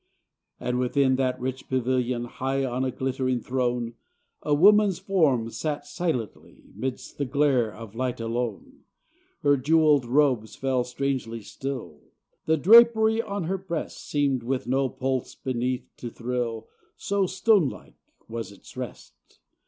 And within that rich pavilion, High on a glittering throne, A woman's form sat silently, Midst the glare of light alone. Her jeweled robes fell strangely still, — The drapery on her breast Seemed with no pulse beneath to thrill. So stone like was its rest!